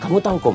kamu tau kum